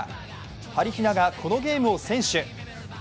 はりひなが、このゲームを先取。